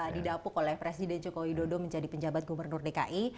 didapuk oleh presiden joko widodo menjadi penjabat gubernur dki